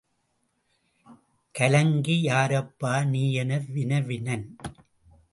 கலங்கி யாரப்பா நீ? என வினவினன்.